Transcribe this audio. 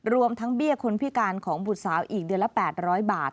รวมทั้งเบี้ยคนพิการของบุตรสาวอีกเดือนละ๘๐๐บาท